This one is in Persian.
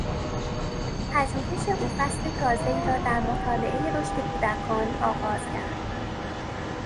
پژوهش او فصل تازهای را در مطالعهی رشد کودکان آغاز کرد.